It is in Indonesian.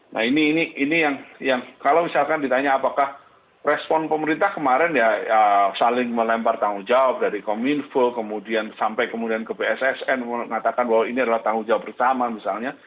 nah ini yang kalau misalkan ditanya apakah respon pemerintah kemarin ya saling melempar tanggung jawab dari kominfo kemudian sampai kemudian ke pssn mengatakan bahwa ini adalah tanggung jawab bersama misalnya